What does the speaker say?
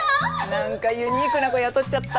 何かユニークな子雇っちゃった。